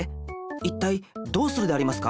いったいどうするでありますか？